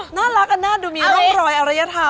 หน้ารักอันนั้นดูมีร่องรอยอะไรจะทำ